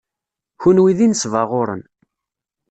Kenwi d inesbaɣuren.